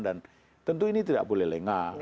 dan tentu ini tidak boleh lengah